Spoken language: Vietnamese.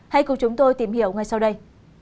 hãy cùng chúng tôi tìm hiểu ngay sau đây